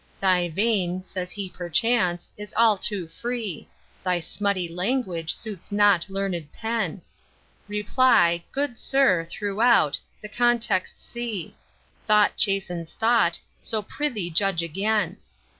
Thy vein, says he perchance, is all too free; Thy smutty language suits not learned pen: Reply, Good Sir, throughout, the context see; Thought chastens thought; so prithee judge again.